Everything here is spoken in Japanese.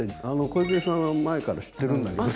小池さんは前から知ってるんだけど。